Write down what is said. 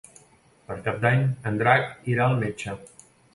Per Cap d'Any en Drac irà al metge.